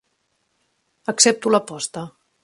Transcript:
Accepto l'aposta.